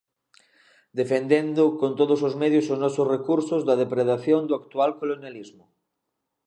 Defendendo con todos os medios os nosos recursos da depredación do actual colonialismo.